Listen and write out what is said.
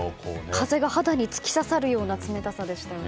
風が肌に突き刺さるような冷たさでしたね。